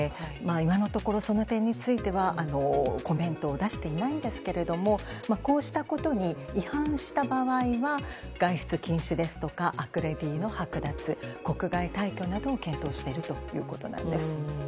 今のところその点についてはコメントを出していないんですがこうしたことに違反した場合は外出禁止ですとかアクレディのはく奪国外退去などを検討しているということです。